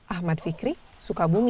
ahmad fikri sukabumi